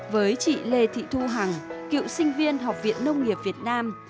với chị lê thị thu hằng cựu sinh viên học viện nông nghiệp việt nam